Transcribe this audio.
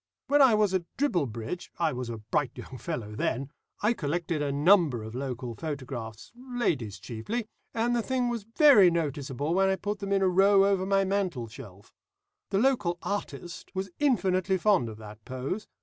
When I was at Dribblebridge I was a bright young fellow then I collected a number of local photographs, ladies chiefly, and the thing was very noticeable when I put them in a row over my mantleshelf. The local 'artist' was intensely fond of that pose.